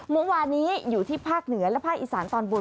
เมื่อวานนี้อยู่ที่ภาคเหนือและภาคอีสานตอนบน